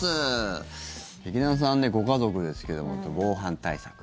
劇団さんご家族ですけども、防犯対策。